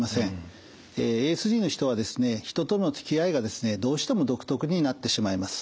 ＡＳＤの人はですね人とのつきあいがですねどうしても独特になってしまいます。